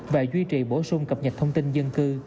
và duy trì bổ sung cập nhật thông tin dân cư